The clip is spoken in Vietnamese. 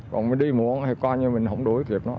còn mới đi muộn thì coi như mình không đuổi kịp nó